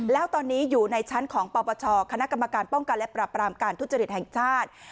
แล้วตอนนี้อยู่ในชั้นของปปชคณะกรรมการป้องกันและปรับรามการทุจริตแห่งชาติ